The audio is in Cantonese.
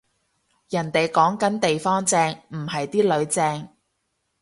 人哋講緊地方正，唔係啲囡正